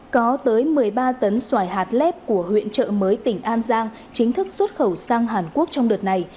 có tới một mươi ba tấn xoài hạt lép của huyện trợ mới tỉnh an giang chính thức xuất khẩu sang hàn quốc trong đợt này